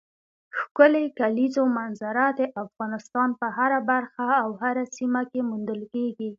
ښکلې کلیزو منظره د افغانستان په هره برخه او سیمه کې موندل کېږي.